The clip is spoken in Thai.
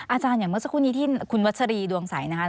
อาจารย์อย่างเมื่อสักครู่นี้ที่คุณวัชรีดวงสายนะครับ